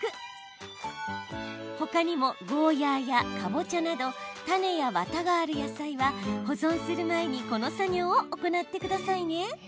ほかにもゴーヤーやかぼちゃなどタネやワタがある野菜は保存する前にこの作業を行ってくださいね。